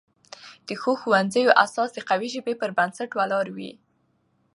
د ښو ښوونځیو اساس د قوي ژبې پر بنسټ ولاړ وي.